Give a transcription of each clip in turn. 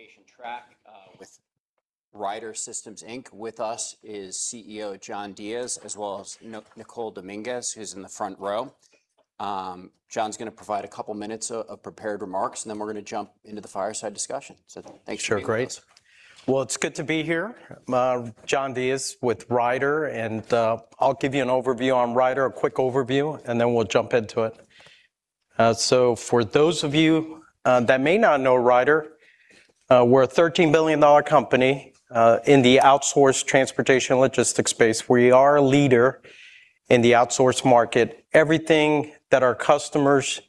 Transportation track with Ryder System, Inc. With us is CEO John Diez, as well as Nicole Dominguez, who is in the front row. John is going to provide a couple of minutes of prepared remarks, and then we are going to jump into the fireside discussion. Thanks for being with us. Sure, great. It is good to be here. I am John Diez with Ryder, and I will give you an overview on Ryder, a quick overview, and then we will jump into it. For those of you that may not know Ryder, we are a $13 billion company in the outsourced transportation logistics space. We are a leader in the outsourced market. Everything that our customers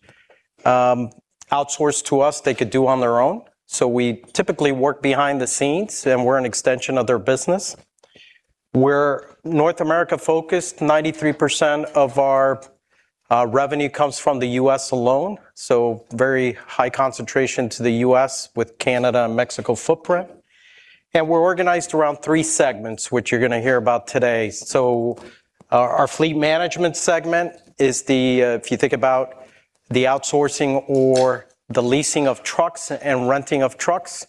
outsource to us, they could do on their own. We typically work behind the scenes, and we are an extension of their business. We are North America-focused. 93% of our revenue comes from the U.S. alone, very high concentration to the U.S. with Canada and Mexico footprint. We are organized around three segments, which you are going to hear about today. Our fleet management segment is the, if you think about the outsourcing or the leasing of trucks and renting of trucks,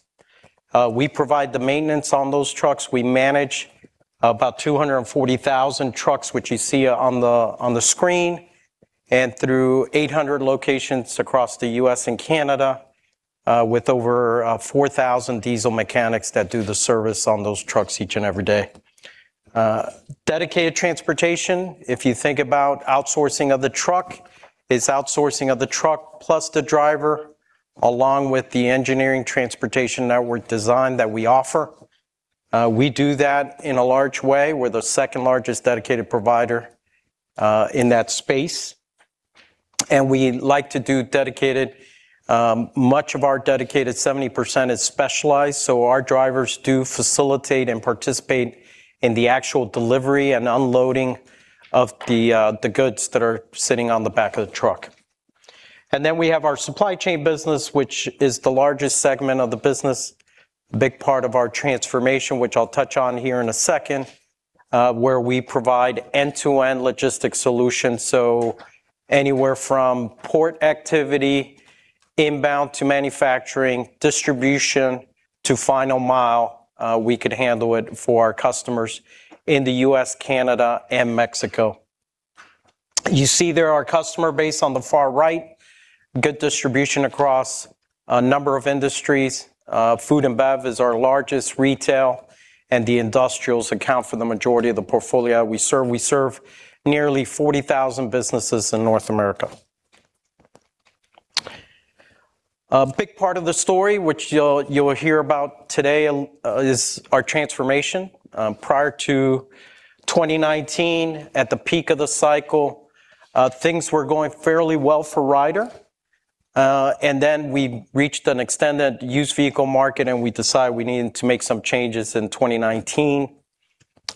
we provide the maintenance on those trucks. We manage about 240,000 trucks, which you see on the screen, and through 800 locations across the U.S. and Canada, with over 4,000 diesel mechanics that do the service on those trucks each and every day. Dedicated transportation, if you think about outsourcing of the truck, is outsourcing of the truck plus the driver, along with the engineering transportation network design that we offer. We do that in a large way. We are the second-largest dedicated provider in that space, and we like to do dedicated. Much of our dedicated, 70%, is specialized, so our drivers do facilitate and participate in the actual delivery and unloading of the goods that are sitting on the back of the truck. We have our supply chain business, which is the largest segment of the business, a big part of our transformation, which I will touch on here in a second, where we provide end-to-end logistics solutions. Anywhere from port activity, inbound to manufacturing, distribution, to last mile, we could handle it for our customers in the U.S., Canada, and Mexico. You see there our customer base on the far right. Good distribution across a number of industries. Food and bev is our largest retail, and the industrials account for the majority of the portfolio we serve. We serve nearly 40,000 businesses in North America. A big part of the story, which you will hear about today, is our transformation. Prior to 2019, at the peak of the cycle, things were going fairly well for Ryder. We reached an extended used vehicle market, and we decided we needed to make some changes in 2019.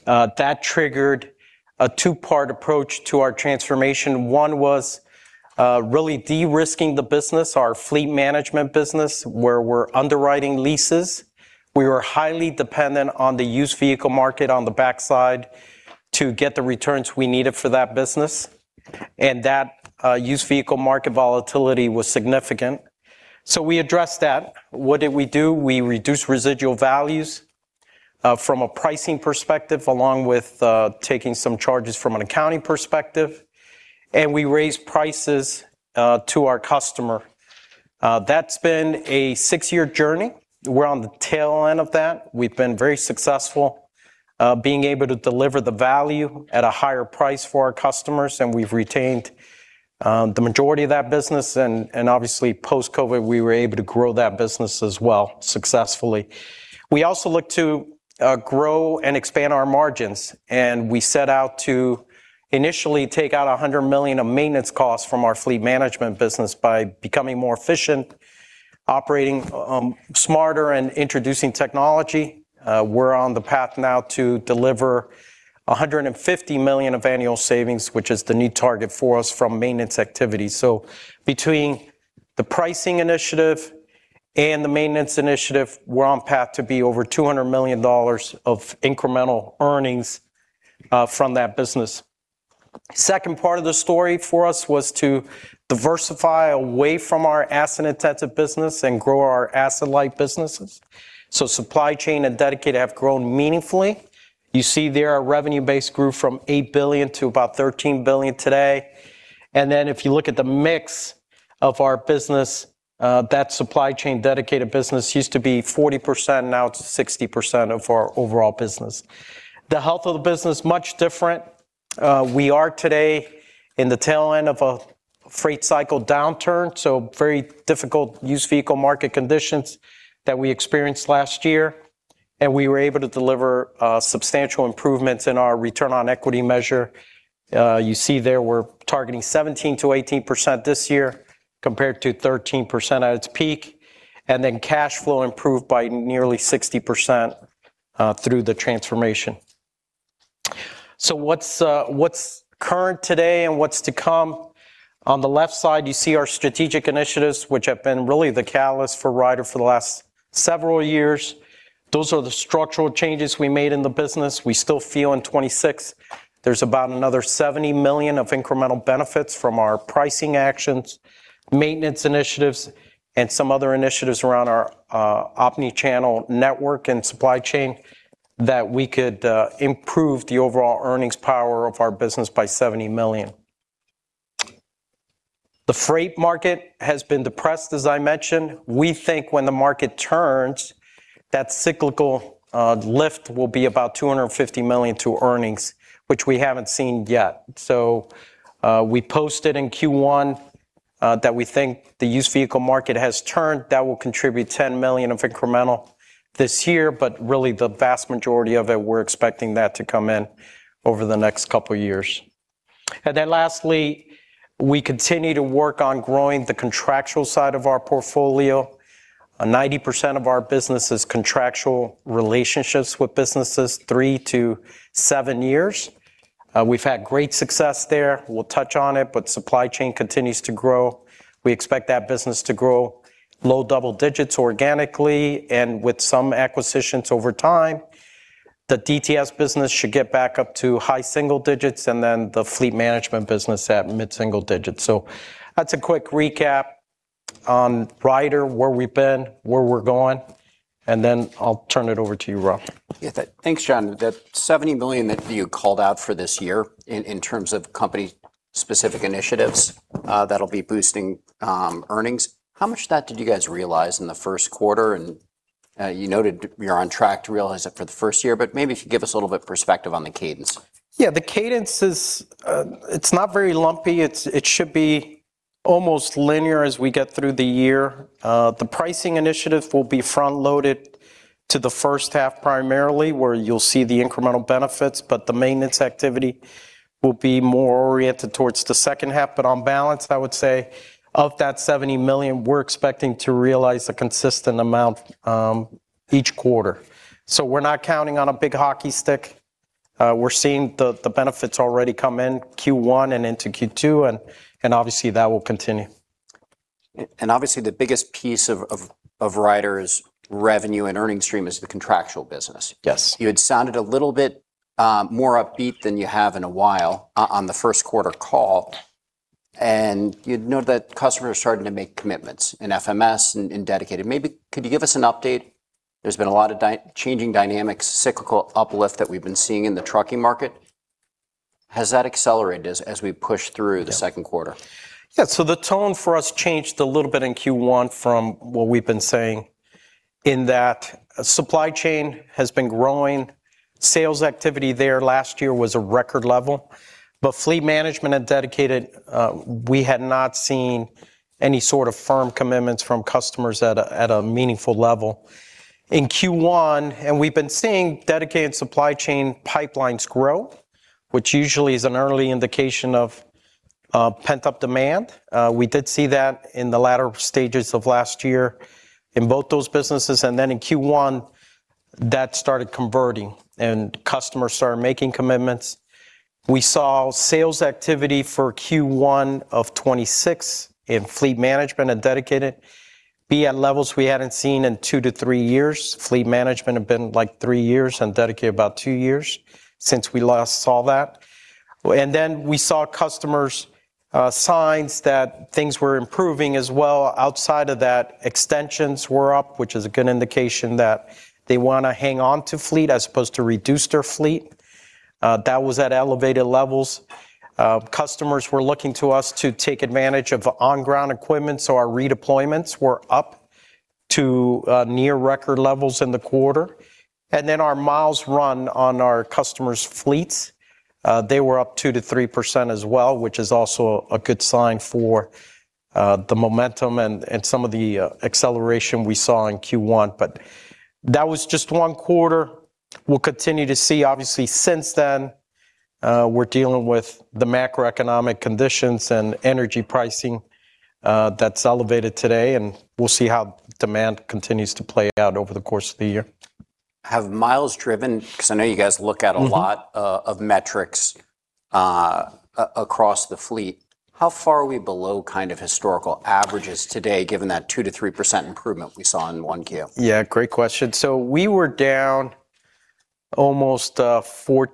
That triggered a two-part approach to our transformation. One was really de-risking the business, our fleet management business, where we're underwriting leases. We were highly dependent on the used vehicle market on the backside to get the returns we needed for that business, and that used vehicle market volatility was significant. We addressed that. What did we do? We reduced residual values from a pricing perspective, along with taking some charges from an accounting perspective, and we raised prices to our customer. That's been a six-year journey. We're on the tail end of that. We've been very successful being able to deliver the value at a higher price for our customers, and we've retained the majority of that business. Obviously, post-COVID, we were able to grow that business as well successfully. We also look to grow and expand our margins, and we set out to initially take out $100 million of maintenance costs from our fleet management business by becoming more efficient, operating smarter, and introducing technology. We're on the path now to deliver $150 million of annual savings, which is the new target for us from maintenance activity. Between the pricing initiative and the maintenance initiative, we're on path to be over $200 million of incremental earnings from that business. Second part of the story for us was to diversify away from our asset-intensive business and grow our asset-light businesses. Supply chain and dedicated have grown meaningfully. You see there our revenue base grew from $8 billion to about $13 billion today. If you look at the mix of our business, that supply chain dedicated business used to be 40%, now it's 60% of our overall business. The health of the business, much different. We are today in the tail end of a freight cycle downturn, very difficult used vehicle market conditions that we experienced last year, and we were able to deliver substantial improvements in our return on equity measure. You see there we're targeting 17%-18% this year, compared to 13% at its peak, and then cash flow improved by nearly 60% through the transformation. What's current today and what's to come? On the left side, you see our strategic initiatives, which have been really the catalyst for Ryder for the last several years. Those are the structural changes we made in the business. We still feel in 2026 there's about another $70 million of incremental benefits from our pricing actions, maintenance initiatives, and some other initiatives around our omni-channel network and supply chain that we could improve the overall earnings power of our business by $70 million. The freight market has been depressed, as I mentioned. We think when the market turns, that cyclical lift will be about $250 million to earnings, which we haven't seen yet. We posted in Q1 that we think the used vehicle market has turned. That will contribute $10 million of incremental this year, but really the vast majority of it, we're expecting that to come in over the next couple of years. Lastly, we continue to work on growing the contractual side of our portfolio. 90% of our business is contractual relationships with businesses, 3-7 years. We've had great success there. We'll touch on it, supply chain continues to grow. We expect that business to grow low double digits organically and with some acquisitions over time. The DTS business should get back up to high single digits, the fleet management business at mid-single digits. That's a quick recap on Ryder, where we've been, where we're going, I'll turn it over to you, Rob. Thanks, John. That $70 million that you called out for this year in terms of company specific initiatives that'll be boosting earnings, how much of that did you guys realize in the first quarter? You noted you're on track to realize it for the first year, maybe if you give us a little bit of perspective on the cadence. The cadence is, it's not very lumpy. It should be almost linear as we get through the year. The pricing initiative will be front-loaded to the first half primarily, where you'll see the incremental benefits, the maintenance activity will be more oriented towards the second half. On balance, I would say of that $70 million, we're expecting to realize a consistent amount each quarter. We're not counting on a big hockey stick. We're seeing the benefits already come in Q1 and into Q2, obviously, that will continue. Obviously, the biggest piece of Ryder's revenue and earnings stream is the contractual business. Yes. You had sounded a little bit more upbeat than you have in a while on the first quarter call, and you'd note that customers are starting to make commitments in FMS and in dedicated. Maybe could you give us an update? There's been a lot of changing dynamics, cyclical uplift that we've been seeing in the trucking market. Has that accelerated as we push through the second quarter? Yeah. The tone for us changed a little bit in Q1 from what we've been saying in that supply chain has been growing. Sales activity there last year was a record level. But fleet management and dedicated, we had not seen any sort of firm commitments from customers at a meaningful level. In Q1, we've been seeing dedicated supply chain pipelines grow, which usually is an early indication of pent-up demand. We did see that in the latter stages of last year in both those businesses. In Q1, that started converting, and customers started making commitments. We saw sales activity for Q1 of 2026 in fleet management and dedicated be at levels we hadn't seen in two-three years. Fleet management had been like three years, and dedicated about two years since we last saw that. We saw customers signs that things were improving as well outside of that. Extensions were up, which is a good indication that they want to hang on to fleet as opposed to reduce their fleet. That was at elevated levels. Customers were looking to us to take advantage of on-ground equipment, our redeployments were up to near record levels in the quarter. Our miles run on our customers' fleets, they were up 2%-3% as well, which is also a good sign for the momentum and some of the acceleration we saw in Q1. That was just one quarter. We'll continue to see, obviously since then, we're dealing with the macroeconomic conditions and energy pricing that's elevated today, and we'll see how demand continues to play out over the course of the year. Have miles driven, because I know you guys look at a lot of metrics across the fleet, how far are we below kind of historical averages today, given that 2%-3% improvement we saw in 1Q? Yeah. Great question. We were down almost 14%,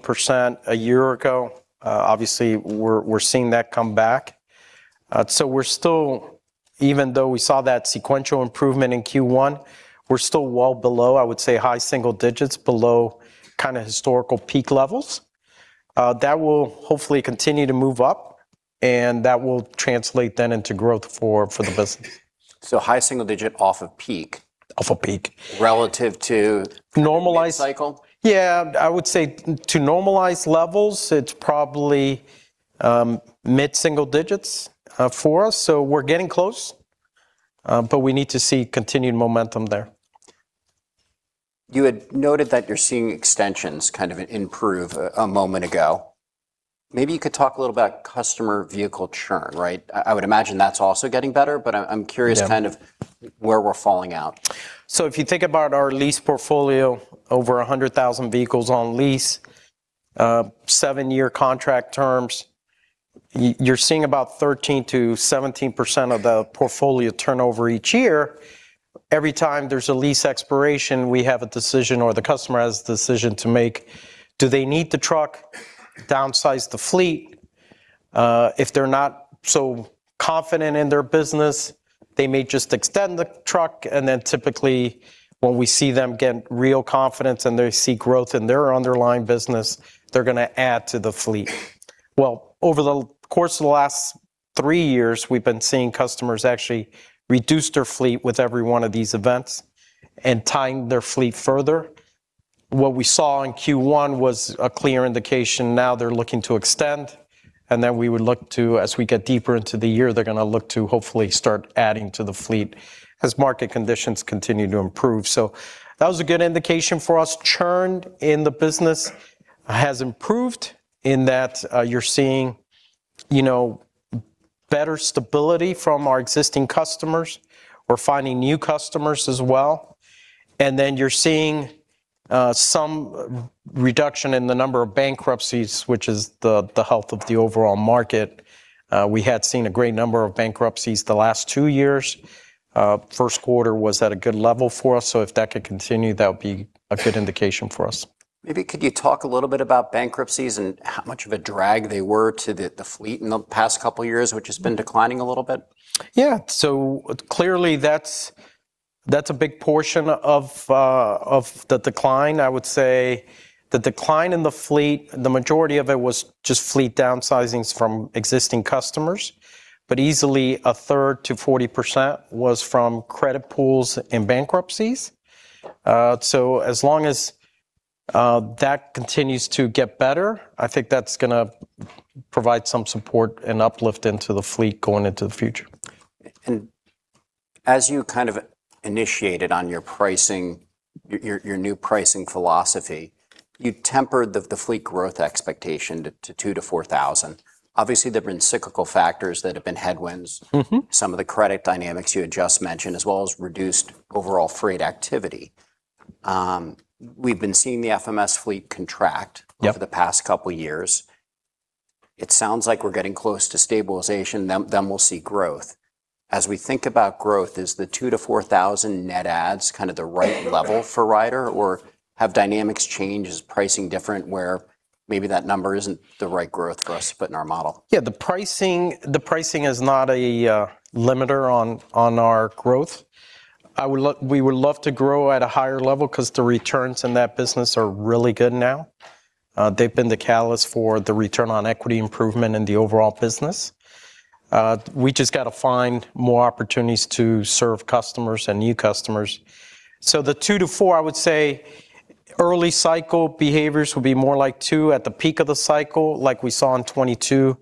15% a year ago. Obviously, we're seeing that come back. We're still, even though we saw that sequential improvement in Q1, we're still well below, I would say high single digits below kind of historical peak levels. That will hopefully continue to move up, and that will translate then into growth for the business. High single digit off of peak. Off of peak. Relative to - Normalized. - mid cycle? Yeah. I would say to normalize levels, it's probably mid-single digits for us. We're getting close, but we need to see continued momentum there. You had noted that you're seeing extensions kind of improve a moment ago. Maybe you could talk a little about customer vehicle churn, right? I would imagine that's also getting better. Yeah. I'm curious kind of where we're falling out. If you think about our lease portfolio, over 100,000 vehicles on lease, seven-year contract terms. You're seeing about 13%-17% of the portfolio turnover each year. Every time there's a lease expiration, we have a decision, or the customer has the decision to make, do they need the truck? Downsize the fleet. If they're not so confident in their business, they may just extend the truck, and then typically when we see them get real confidence and they see growth in their underlying business, they're going to add to the fleet. Over the course of the last three years, we've been seeing customers actually reduce their fleet with every one of these events and tying their fleet further. What we saw in Q1 was a clear indication now they're looking to extend. We would look to, as we get deeper into the year, they're going to look to hopefully start adding to the fleet as market conditions continue to improve. That was a good indication for us. Churn in the business has improved in that you're seeing better stability from our existing customers. We're finding new customers as well, and you're seeing some reduction in the number of bankruptcies, which is the health of the overall market. We had seen a great number of bankruptcies the last two years. First quarter was at a good level for us. If that could continue, that would be a good indication for us. Maybe could you talk a little bit about bankruptcies and how much of a drag they were to the fleet in the past couple of years, which has been declining a little bit? Yeah. Clearly that's a big portion of the decline. I would say the decline in the fleet, the majority of it was just fleet downsizings from existing customers, but easily a third to 40% was from credit pools and bankruptcies. As long as that continues to get better, I think that's going to provide some support and uplift into the fleet going into the future. As you kind of initiated on your new pricing philosophy, you tempered the fleet growth expectation to 2,000-4,000. Obviously, there have been cyclical factors that have been headwinds. Some of the credit dynamics you had just mentioned, as well as reduced overall freight activity. We've been seeing the FMS fleet contract - Yep. - over the past couple of years. It sounds like we're getting close to stabilization, we'll see growth. As we think about growth, is the 2,000-4,000 net adds kind of the right level for Ryder? Have dynamics changed? Is pricing different where maybe that number isn't the right growth for us to put in our model? The pricing is not a limiter on our growth. We would love to grow at a higher level because the returns in that business are really good now. They've been the catalyst for the return on equity improvement in the overall business. We just got to find more opportunities to serve customers and new customers. The 2-4, I would say early cycle behaviors will be more like two. At the peak of the cycle, like we saw in 2022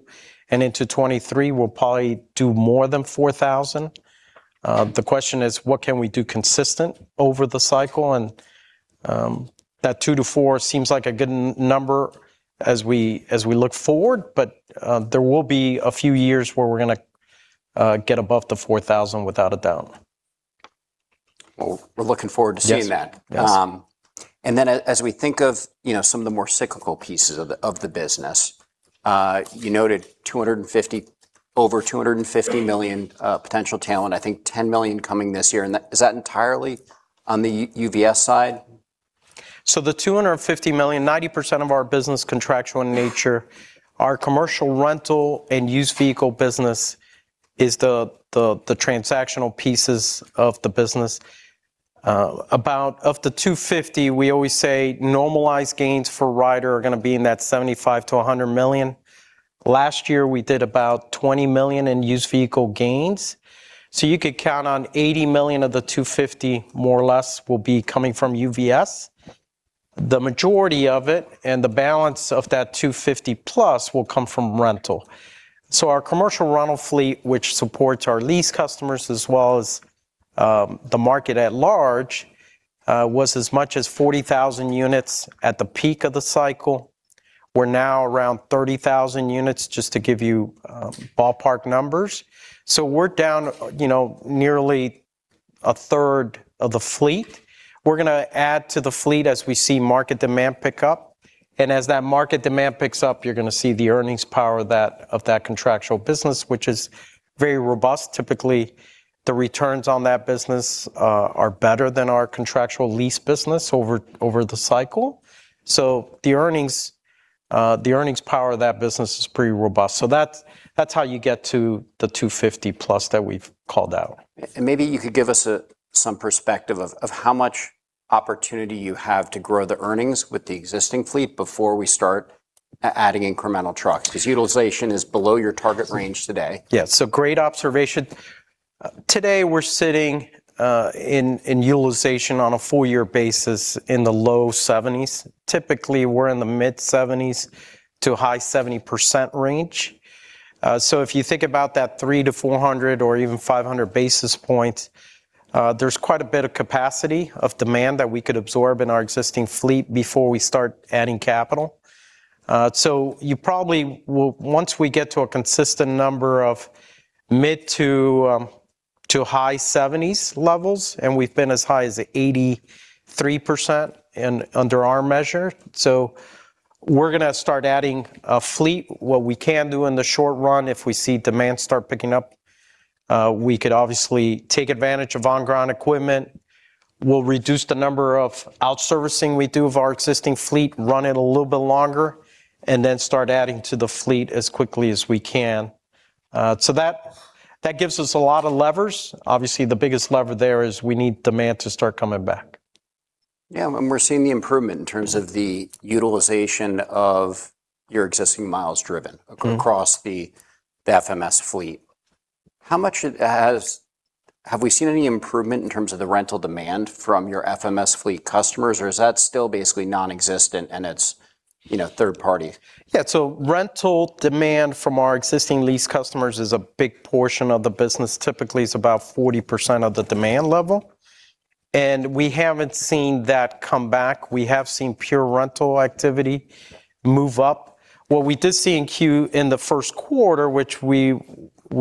and into 2023, we'll probably do more than 4,000. The question is, what can we do consistent over the cycle? That 2-4 seems like a good number as we look forward, but there will be a few years where we're going to get above the 4,000, without a doubt. Well, we're looking forward to seeing that. Yes. As we think of some of the more cyclical pieces of the business, you noted over $250 million potential talent, I think $10 million coming this year. Is that entirely on the UVS side? The $250 million, 90% of our business contractual in nature. Our commercial rental and used vehicle business is the transactional pieces of the business. Of the $250, we always say normalized gains for Ryder are going to be in that $75 million-$100 million. Last year, we did about $20 million in used vehicle gains. You could count on $80 million of the $250, more or less, will be coming from UVS. The majority of it, and the balance of that $250+ will come from rental. Our commercial rental fleet, which supports our lease customers as well as the market at large was as much as 40,000 units at the peak of the cycle. We're now around 30,000 units, just to give you ballpark numbers. We're down nearly a third of the fleet. We're going to add to the fleet as we see market demand pick up. As that market demand picks up, you're going to see the earnings power of that contractual business, which is very robust. Typically, the returns on that business are better than our contractual lease business over the cycle. The earnings power of that business is pretty robust. That's how you get to the $250+ that we've called out. Maybe you could give us some perspective of how much opportunity you have to grow the earnings with the existing fleet before we start adding incremental trucks. Because utilization is below your target range today. Great observation. Today, we're sitting in utilization on a full year basis in the low 70s. Typically, we're in the mid-70s to high 70% range. If you think about that 300-400 or even 500 basis points, there's quite a bit of capacity of demand that we could absorb in our existing fleet before we start adding capital. You probably will, once we get to a consistent number of mid to high 70s levels, and we've been as high as 83% under our measure. We're going to start adding a fleet. What we can do in the short run if we see demand start picking up, we could obviously take advantage of on-ground equipment. We'll reduce the number of servicing we do of our existing fleet, run it a little bit longer, and then start adding to the fleet as quickly as we can. That gives us a lot of levers. Obviously, the biggest lever there is we need demand to start coming back. We're seeing the improvement in terms of the utilization of your existing miles driven across the FMS fleet. Have we seen any improvement in terms of the rental demand from your FMS fleet customers, or is that still basically nonexistent and it's third party? Yeah. Rental demand from our existing lease customers is a big portion of the business. Typically, it's about 40% of the demand level, and we haven't seen that come back. We have seen pure rental activity move up. What we did see in the first quarter, which we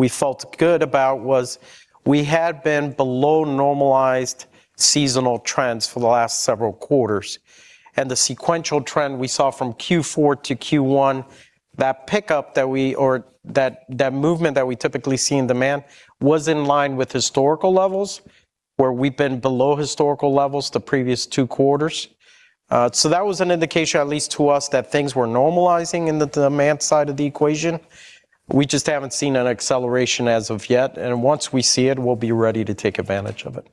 felt good about, was we had been below normalized seasonal trends for the last several quarters. The sequential trend we saw from Q4 to Q1, that pickup or that movement that we typically see in demand was in line with historical levels, where we'd been below historical levels the previous two quarters. That was an indication, at least to us, that things were normalizing in the demand side of the equation. We just haven't seen an acceleration as of yet, and once we see it, we'll be ready to take advantage of it.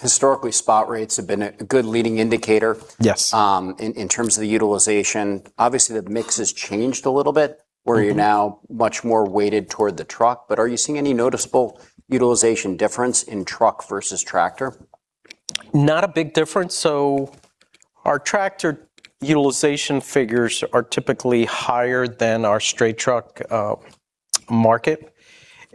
Historically, spot rates have been a good leading indicator. Yes. In terms of the utilization. Obviously, the mix has changed a little bit, where you're now much more weighted toward the truck, but are you seeing any noticeable utilization difference in truck versus tractor? Not a big difference. Our tractor utilization figures are typically higher than our straight truck market,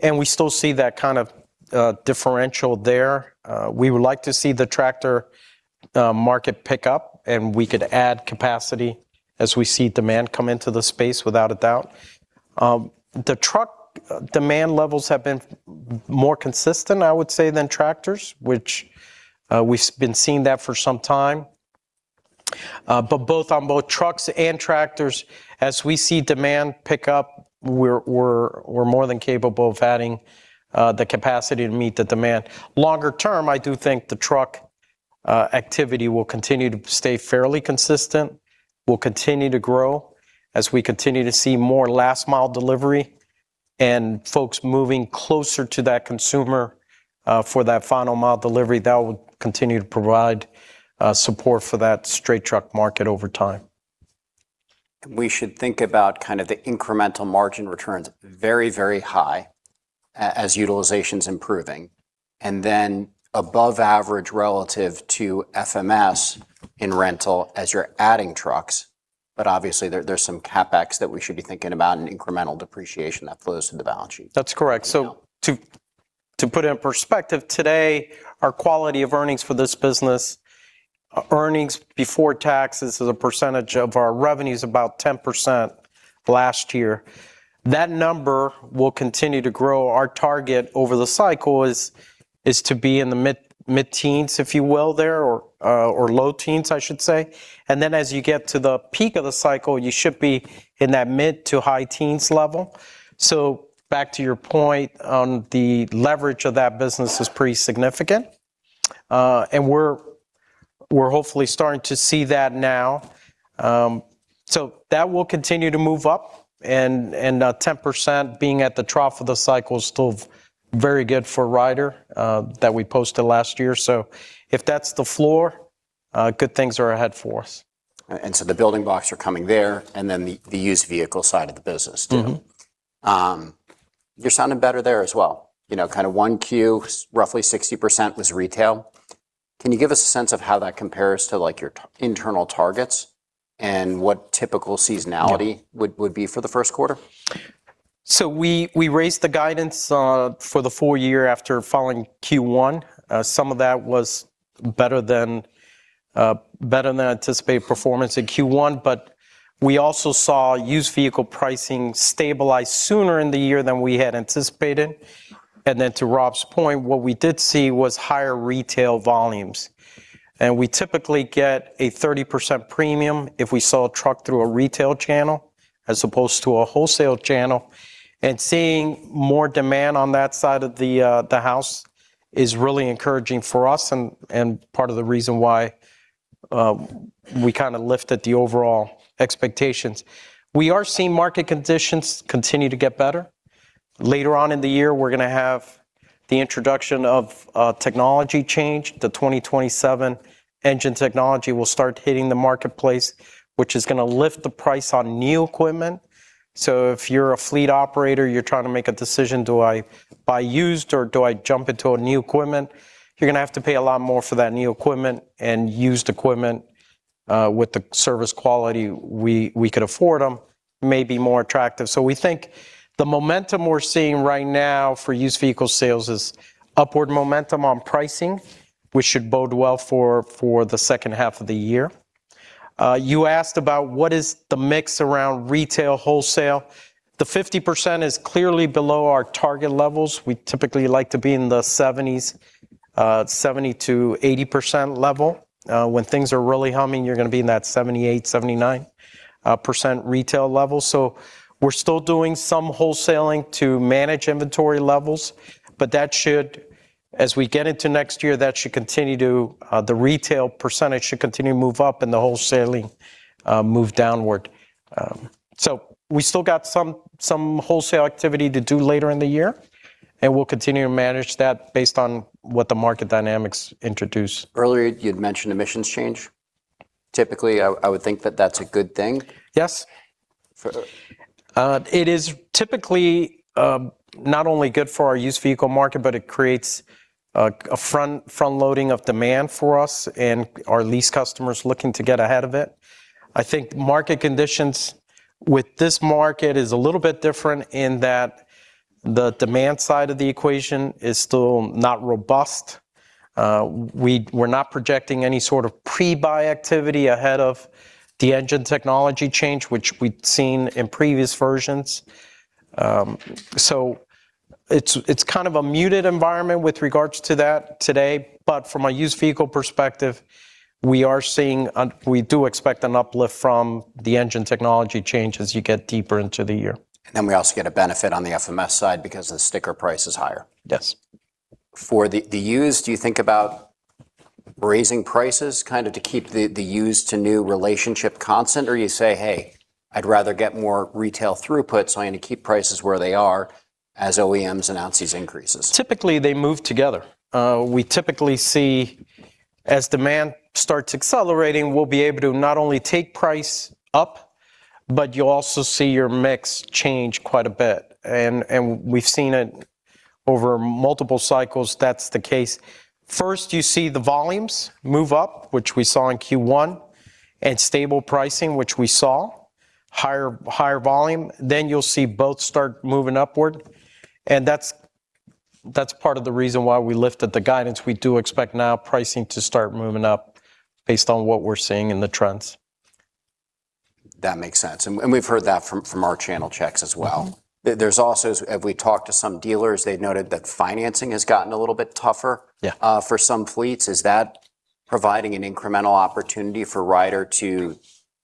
and we still see that kind of differential there. We would like to see the tractor market pick up, and we could add capacity as we see demand come into the space, without a doubt. The truck demand levels have been more consistent, I would say, than tractors, which we've been seeing that for some time. Both trucks and tractors, as we see demand pick up, we're more than capable of adding the capacity to meet the demand. Longer term, I do think the truck activity will continue to stay fairly consistent. We'll continue to grow as we continue to see more last mile delivery and folks moving closer to that consumer for that final mile delivery. That will continue to provide support for that straight truck market over time. We should think about kind of the incremental margin returns very, very high as utilization's improving, and then above average relative to FMS in rental as you're adding trucks. Obviously, there's some CapEx that we should be thinking about and incremental depreciation that flows through the balance sheet. That's correct. To put it in perspective, today, our quality of earnings for this business, earnings before taxes as a percentage of our revenue is about 10% last year. That number will continue to grow. Our target over the cycle is to be in the mid-teens, if you will, there, or low teens, I should say. As you get to the peak of the cycle, you should be in that mid to high teens level. Back to your point on the leverage of that business is pretty significant. We're hopefully starting to see that now. That will continue to move up, and 10% being at the trough of the cycle is still very good for Ryder, that we posted last year. If that's the floor, good things are ahead for us. The building blocks are coming there, the used vehicle side of the business, too. You're sounding better there as well. Kind of 1Q, roughly 60% was retail. Can you give us a sense of how that compares to your internal targets and what typical seasonality would be for the first quarter? We raised the guidance for the full year after following Q1. Some of that was better than anticipated performance in Q1. We also saw used vehicle pricing stabilize sooner in the year than we had anticipated. To Rob's point, what we did see was higher retail volumes. We typically get a 30% premium if we sell a truck through a retail channel as opposed to a wholesale channel. Seeing more demand on that side of the house is really encouraging for us and part of the reason why we kind of lifted the overall expectations. We are seeing market conditions continue to get better. Later on in the year, we're going to have the introduction of a technology change. The 2027 engine technology will start hitting the marketplace, which is going to lift the price on new equipment. If you're a fleet operator, you're trying to make a decision, do I buy used or do I jump into a new equipment? You're going to have to pay a lot more for that new equipment and used equipment with the service quality we could afford them may be more attractive. We think the momentum we're seeing right now for used vehicle sales is upward momentum on pricing, which should bode well for the second half of the year. You asked about what is the mix around retail wholesale. The 50% is clearly below our target levels. We typically like to be in the 70%-80% level. When things are really humming, you're going to be in that 78%, 79% retail level. We're still doing some wholesaling to manage inventory levels. As we get into next year, the retail percentage should continue to move up and the wholesaling move downward. We still got some wholesale activity to do later in the year, and we'll continue to manage that based on what the market dynamics introduce. Earlier, you'd mentioned emissions change. Typically, I would think that that's a good thing. Yes. It is typically not only good for our used vehicle market, but it creates a front-loading of demand for us and our lease customers looking to get ahead of it. I think market conditions with this market is a little bit different in that the demand side of the equation is still not robust. We're not projecting any sort of pre-buy activity ahead of the engine technology change, which we'd seen in previous versions. It's kind of a muted environment with regards to that today. From a used vehicle perspective, we do expect an uplift from the engine technology change as you get deeper into the year. We also get a benefit on the FMS side because the sticker price is higher. Yes. For the used, do you think about raising prices kind of to keep the used to new relationship constant? Or you say, "Hey, I'd rather get more retail throughput, so I'm going to keep prices where they are as OEMs announce these increases? Typically, they move together. We typically see as demand starts accelerating, we'll be able to not only take price up, but you'll also see your mix change quite a bit. We've seen it over multiple cycles, that's the case. First, you see the volumes move up, which we saw in Q1, and stable pricing, which we saw, higher volume. You'll see both start moving upward, and that's part of the reason why we lifted the guidance. We do expect now pricing to start moving up based on what we're seeing in the trends. That makes sense, we've heard that from our channel checks as well. We talked to some dealers, they noted that financing has gotten a little bit tougher. Yeah. For some fleets, is that providing an incremental opportunity for Ryder to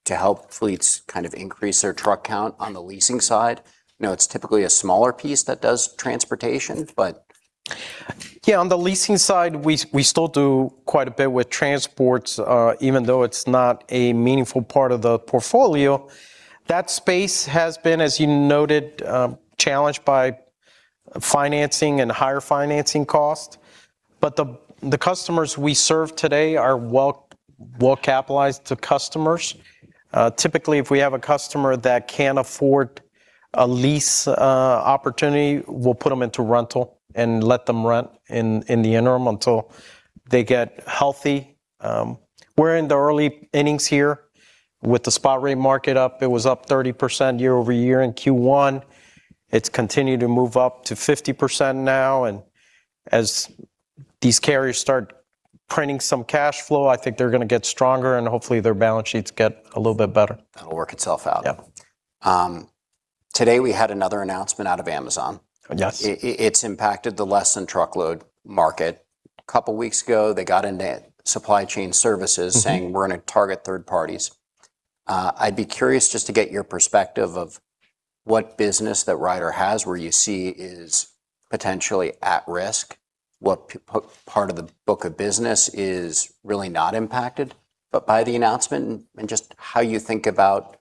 help fleets kind of increase their truck count on the leasing side? I know it's typically a smaller piece that does transportation. Yeah, on the leasing side, we still do quite a bit with transports, even though it's not a meaningful part of the portfolio. That space has been, as you noted, challenged by financing and higher financing costs. The customers we serve today are well-capitalized to customers. Typically, if we have a customer that can't afford a lease opportunity, we'll put them into rental and let them rent in the interim until they get healthy. We're in the early innings here with the spot rate market up. It was up 30% year-over-year in Q1. It's continued to move up to 50% now. As these carriers start printing some cash flow, I think they're going to get stronger, and hopefully their balance sheets get a little bit better. That'll work itself out. Yeah. Today, we had another announcement out of Amazon. Yes. It's impacted the less than truckload market. A couple of weeks ago, they got into supply chain services saying, "We're going to target third parties." I'd be curious just to get your perspective of what business that Ryder has, where you see is potentially at risk. What part of the book of business is really not impacted, but by the announcement and just how you think about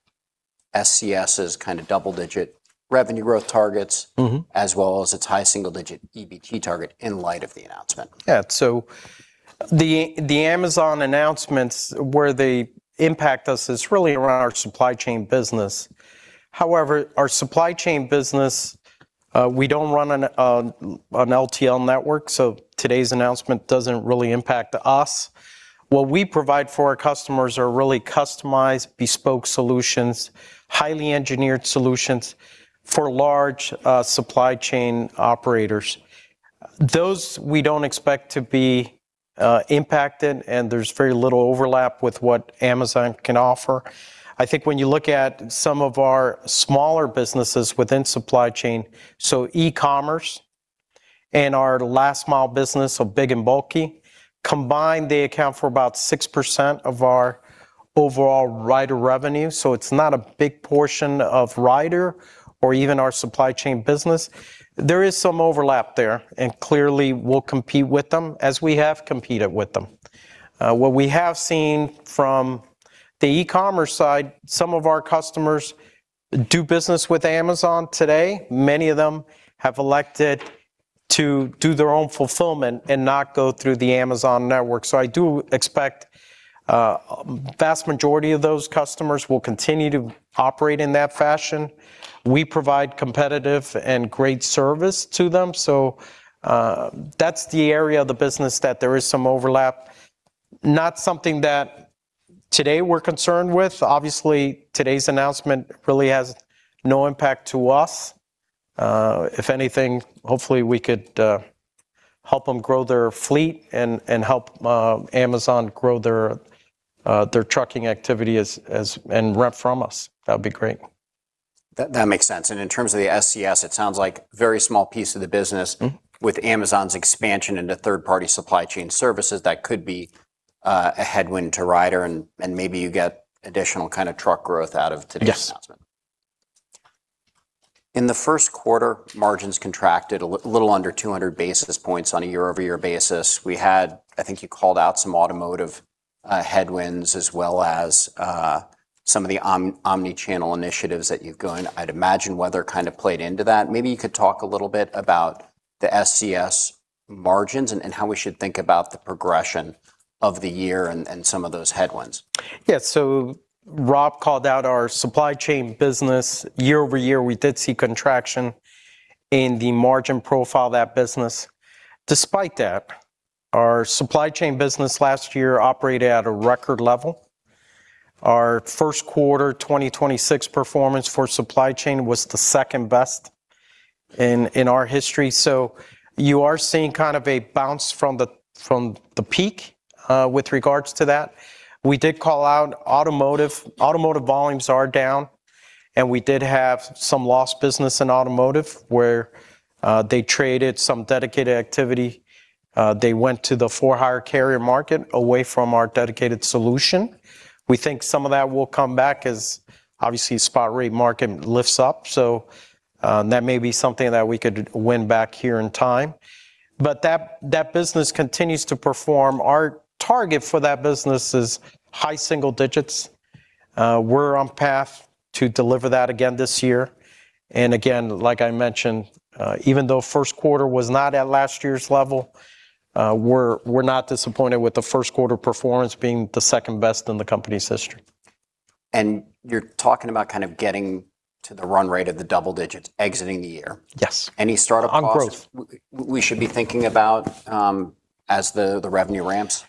SCS' kind of double-digit revenue growth targets- Its high single-digit EBT target in light of the announcement. Yeah. The Amazon announcements, where they impact us is really around our supply chain business. However, our supply chain business, we don't run on an LTL network. Today's announcement doesn't really impact us. What we provide for our customers are really customized, bespoke solutions, highly engineered solutions for large supply chain operators. Those, we don't expect to be impacted, and there's very little overlap with what Amazon can offer. I think when you look at some of our smaller businesses within supply chain, e-commerce and our last mile business of big and bulky, combined, they account for about 6% of our overall Ryder revenue. It's not a big portion of Ryder or even our supply chain business. There is some overlap there, and clearly we'll compete with them as we have competed with them. What we have seen from the e-commerce side, some of our customers do business with Amazon today. Many of them have elected to do their own fulfillment and not go through the Amazon network. I do expect a vast majority of those customers will continue to operate in that fashion. We provide competitive and great service to them. That's the area of the business that there is some overlap, not something that today we're concerned with. Obviously, today's announcement really has no impact to us. If anything, hopefully we could help them grow their fleet and help Amazon grow their trucking activity and rent from us. That would be great. That makes sense. In terms of the SCS, it sounds like a very small piece of the business. With Amazon's expansion into third-party supply chain services, that could be a headwind to Ryder, and maybe you get additional truck growth out of today's announcement. Yes. In the first quarter, margins contracted a little under 200 basis points on a year-over-year basis. We had, I think you called out some automotive headwinds as well as some of the omni-channel initiatives that you've gone. I'd imagine weather kind of played into that. Maybe you could talk a little bit about the SCS margins and how we should think about the progression of the year and some of those headwinds. Yeah. Rob called out our supply chain business. Year-over-year, we did see contraction in the margin profile of that business. Despite that, our supply chain business last year operated at a record level. Our first quarter 2026 performance for supply chain was the second-best in our history. You are seeing kind of a bounce from the peak, with regards to that. We did call out automotive. Automotive volumes are down, and we did have some lost business in automotive, where they traded some dedicated activity. They went to the for-hire carrier market away from our dedicated solution. We think some of that will come back as, obviously, the spot rate market lifts up. That may be something that we could win back here in time. That business continues to perform. Our target for that business is high single digits. We're on path to deliver that again this year. Again, like I mentioned, even though the first quarter was not at last year's level, we're not disappointed with the first quarter performance being the second-best in the company's history. You're talking about kind of getting to the run rate of the double digits exiting the year. Yes. Any startup costs? On growth. What should we be thinking about as the revenue ramps?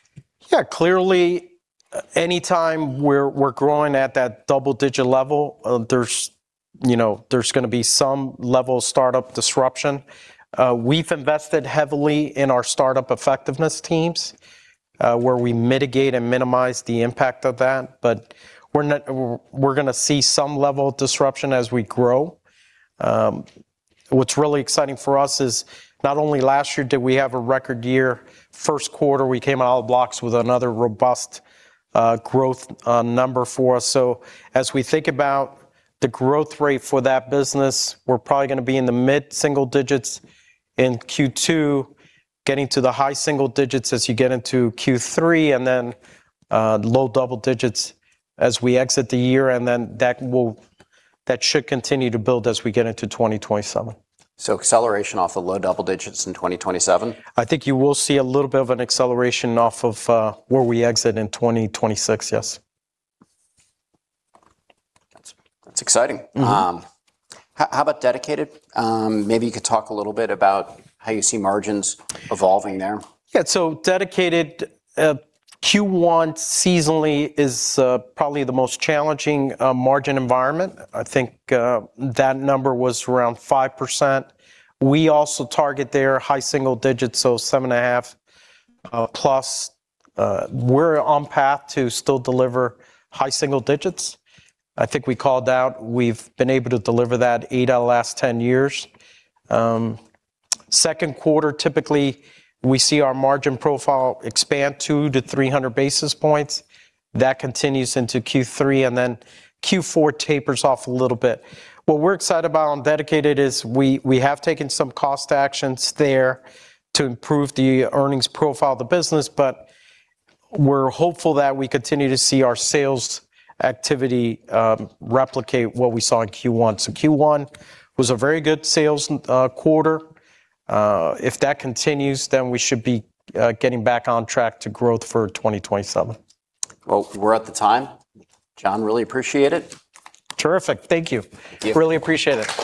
Yeah. Clearly, anytime we're growing at that double-digit level, there's going to be some level of startup disruption. We've invested heavily in our startup effectiveness teams, where we mitigate and minimize the impact of that. We're going to see some level of disruption as we grow. As we think about the growth rate for that business, we're probably going to be in the mid-single digits in Q2, getting to the high single digits as you get into Q3, and then low double digits as we exit the year. That should continue to build as we get into 2027. Acceleration off of low double digits in 2027? I think you will see a little bit of an acceleration off of where we exit in 2026, yes. That's exciting. How about dedicated? Maybe you could talk a little bit about how you see margins evolving there. Yeah. Dedicated Q1 seasonally is probably the most challenging margin environment. I think that number was around 5%. We also target there high single digits, so 7.5+. We're on path to still deliver high single digits. I think we called out we've been able to deliver that eight out of the last 10 years. Second quarter, typically, we see our margin profile expand 2-300 basis points. That continues into Q3, and then Q4 tapers off a little bit. What we're excited about on Dedicated is we have taken some cost actions there to improve the earnings profile of the business, but we're hopeful that we continue to see our sales activity replicate what we saw in Q1. Q1 was a very good sales quarter. If that continues, then we should be getting back on track to growth for 2027. Well, we're at the time. John, really appreciate it. Terrific. Thank you. Yeah. Really appreciate it.